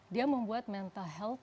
dia membuat mental health